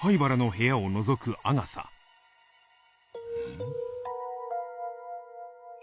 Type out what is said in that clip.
ん？